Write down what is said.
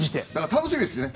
楽しみですね。